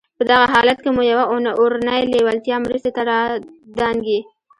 په دغه حالت کې مو يوه اورنۍ لېوالتیا مرستې ته را دانګي.